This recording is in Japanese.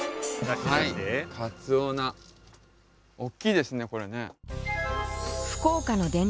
かつお菜おっきいですねこれね。